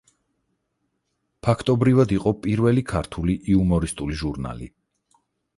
ფაქტობრივად იყო პირველი ქართული იუმორისტული ჟურნალი.